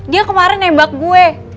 dia kemarin nebak gue